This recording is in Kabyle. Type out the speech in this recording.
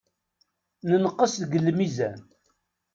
Nenqes deg lmizan.